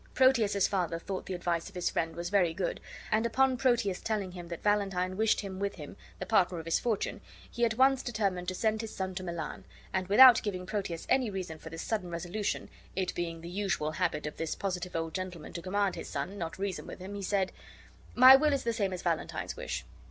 Proteus's father thought the advice of his friend was very good, and upon Proteus telling him that Valentine "wished him with him, the partner of his fortune," he at once determined to send his son to Milan; and without giving Proteus any reason for this sudden resolution, it being the usual habit of this positive old gentleman to command his son, not reason with him, he said: "My will is the same as Valentine's wish."